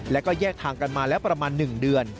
แล้วก็แยกทางกันมาแล้วประมาณ๑เดือน